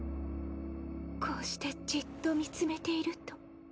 こうしてじっと見詰めていると。